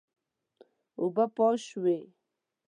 اوبه پاش شوې.